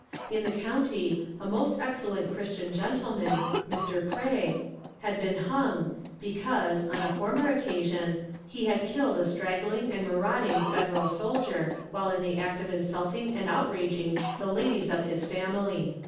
In the county a most excellent Christian gentleman, a Mr. Creigh, had been hung, because, on a former occasion, he had killed a straggling and marauding Federal soldier while in the act of insulting and outraging the ladies of his family."